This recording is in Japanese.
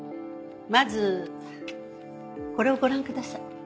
まずこれをご覧ください。